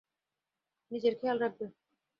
নিজের খেয়াল রাখবে।